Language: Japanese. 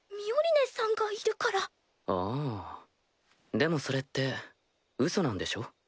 でもそれってうそなんでしょ？